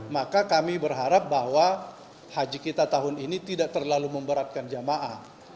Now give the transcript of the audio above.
maka kami berharap bahwa haji kita tahun ini tidak terlalu memberatkan jamaah